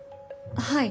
はい。